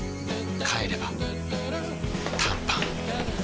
帰れば短パン